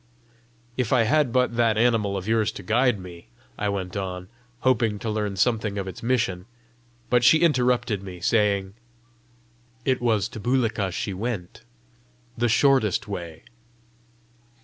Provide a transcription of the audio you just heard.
"If I had but that animal of yours to guide me " I went on, hoping to learn something of its mission, but she interrupted me, saying, "It was to Bulika she went the shortest way."